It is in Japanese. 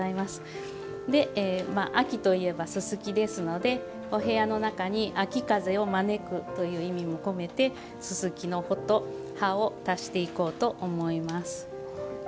秋といえばススキですのでお部屋の中に秋風を招くという意味も込めてススキの穂と葉を足していこうと思います。